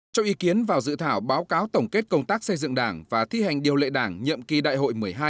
cho ý kiến vào dự thảo báo cáo tổng kết công tác xây dựng đảng và thi hành điều lệ đảng nhiệm kỳ đại hội một mươi hai